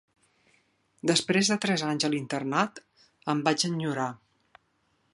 Després de tres anys a l'internat, em vaig enyorar.